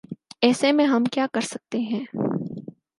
ایسے میں ہم کیا کر سکتے ہیں ۔